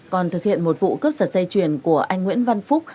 còn thực hiện một vụ cướp sở dây chuyền của anh nguyễn văn phúc